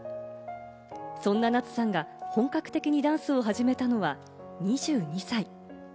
そんな夏さんが本格的にダンスを始めたのは２２歳。